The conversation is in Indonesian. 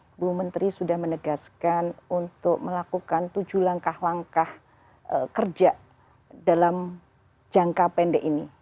ibu menteri sudah menegaskan untuk melakukan tujuh langkah langkah kerja dalam jangka pendek ini